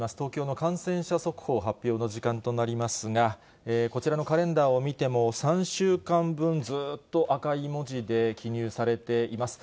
東京の感染者速報発表の時間となりますが、こちらのカレンダーを見ても、３週間分、ずっと赤い文字で記入されています。